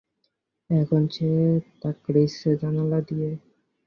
এখন সে তাকৃচ্ছে জানালা দিয়ে।